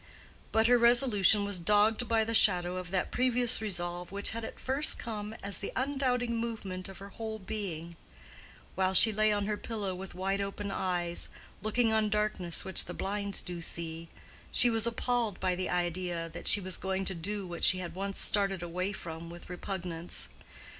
But her resolution was dogged by the shadow of that previous resolve which had at first come as the undoubting movement of her whole being. While she lay on her pillow with wide open eyes, "looking on darkness which the blind do see," she was appalled by the idea that she was going to do what she had once started away from with repugnance.